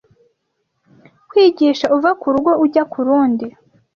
Kwigisha uva ku Rugo ujya ku Rundi